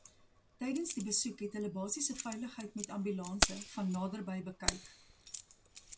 Tydens die besoek het hulle basiese veiligheid met ambulanse van naderby te bekyk.